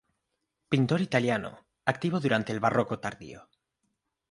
Pintor italiano, activo durante el Barroco tardío.